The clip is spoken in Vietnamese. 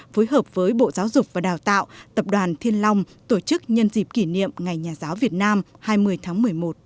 phối hợp với bộ giáo dục và đào tạo tập đoàn thiên long tổ chức nhân dịp kỷ niệm ngày nhà giáo việt nam hai mươi tháng một mươi một